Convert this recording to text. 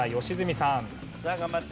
さあ頑張って。